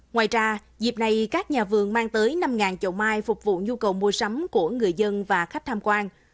ngoài ra dịp này các nhà vườn mang tới năm chậu mai phục vụ nhu cầu mua sắm của người dân và khách tham quan